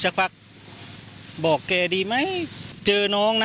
สักพักบอกแกดีไหมเจอน้องนะ